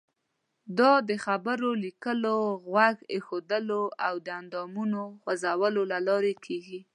دا د خبرو، لیکلو، غوږ ایښودلو او د اندامونو خوځولو له لارې کیږي.